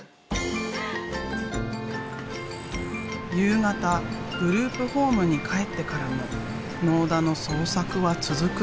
夕方グループホームに帰ってからも納田の創作は続く。